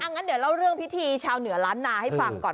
งั้นเดี๋ยวเล่าเรื่องพิธีชาวเหนือล้านนาให้ฟังก่อน